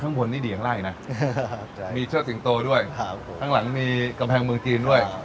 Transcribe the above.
ข้างบนนี่เดียงไล่นะมีเชิดสิงโตด้วยข้างหลังมีกำแพงเมืองจีนด้วย